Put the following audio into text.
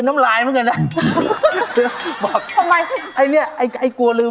ไม่อายเด็กอย่างเดียวอายทั่วเลย